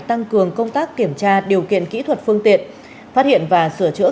tăng cường công tác kiểm tra điều kiện kỹ thuật phương tiện phát hiện và sửa chữa